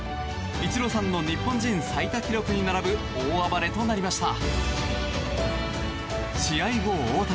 イチローさんの日本人最多記録に並ぶ大暴れとなりました。